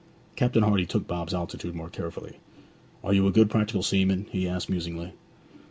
Captain Hardy took Bob's altitude more carefully. 'Are you a good practical seaman?' he asked musingly.